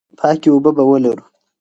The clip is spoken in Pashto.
پاکې اوبه به ولرو.